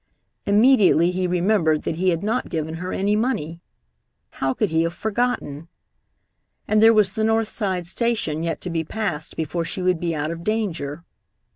Immediately he remembered that he had not given her any money. How could he have forgotten? And there was the North Side Station yet to be passed before she would be out of danger.